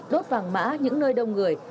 đốt vàng mã những nơi đông người